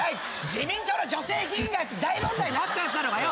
自民党の女性議員が大問題になったやつだろうがよ！